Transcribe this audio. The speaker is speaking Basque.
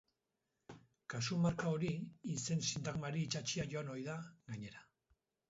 Kasu-marka hori izen-sintagmari itsatsia joan ohi da, gainera.